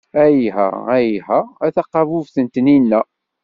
Iha, iha a taqabubt n tnina.